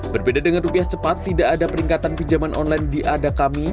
berbeda dengan rupiah cepat tidak ada peningkatan pinjaman online di adakami